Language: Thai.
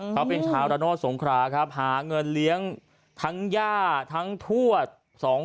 เขาเป็นชาวระโนธสงคราครับหาเงินเลี้ยงทั้งย่าทั้งทวด